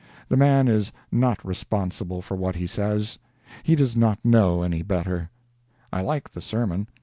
The man is not responsible for what he says. He does not know any better. I liked the sermon.